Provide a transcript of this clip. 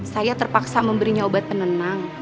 saya terpaksa memberinya obat penenang